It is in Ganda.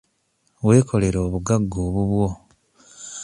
Weekolere obugagga obubwo.